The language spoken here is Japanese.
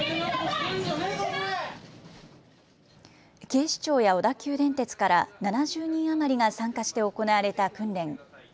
警視庁や小田急電鉄から７０人余りが参加して行われた訓練。